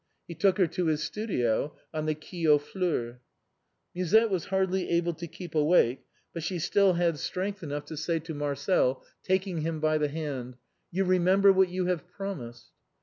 He took her to his studio on the Quai aux Fleurs. Musette was hardly able to keep awake, but she still had strength enough to say to Marcel, taking him by the hand, " You remember what you have promised."